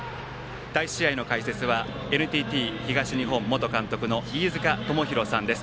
第１試合の解説はＮＴＴ東日本元監督の飯塚智広さんです。